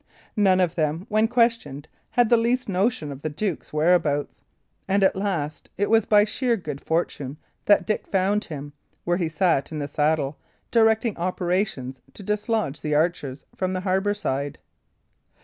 None of them, when questioned, had the least notion of the duke's whereabouts; and, at last, it was by sheer good fortune that Dick found him, where he sat in the saddle directing operations to dislodge the archers from the harbour side.